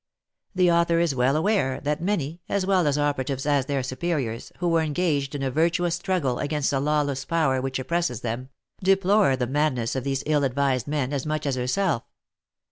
The author is well aware that many, as well operatives as their superiors, who were engaged in a virtuous struggle against the lawless power which oppresses them, deplore the madness of these ill advised men as much as herself.